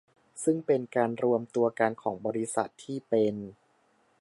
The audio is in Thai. ซึ่งเป็นการรวมตัวกันของบริษัทที่เป็น